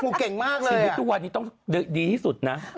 คุณเก่งมากเลยอ่ะคุณพี่ทุกวันนี้ต้องดีที่สุดนะ